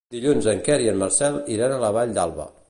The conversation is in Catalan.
Dilluns en Quer i en Marcel iran a la Vall d'Alba.